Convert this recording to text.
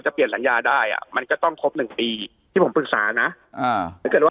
จะเปลี่ยนรัญญาได้มันก็ต้องครบ๑ปีที่ผมปรึกษานะถ้าเกิดว่า